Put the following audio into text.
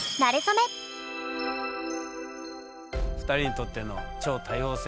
２人にとっての超多様性とは？